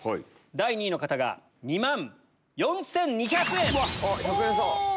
第２位の方が２万４２００円！